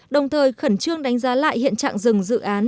đồng thời khẩn trương đánh giá lại hiện trạng rừng dự án